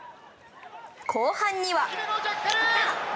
後半には。